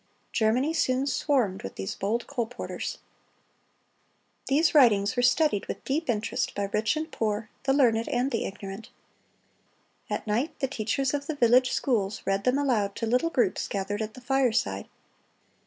Germany soon swarmed with these bold colporteurs."(278) These writings were studied with deep interest by rich and poor, the learned and the ignorant. At night the teachers of the village schools read them aloud to little groups gathered at the fireside.